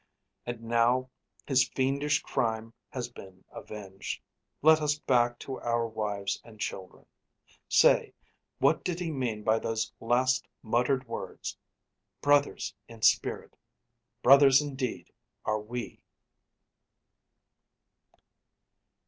And now his fiendish crime has been avenged; Let us back to our wives and children. Say, What did he mean by those last muttered words, "Brothers in spirit, brothers in deed are we"?